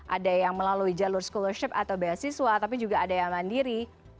ada yang melalui jalur scholarship atau beasiswa tapi juga ada yang mandiri